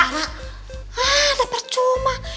hah ada percuma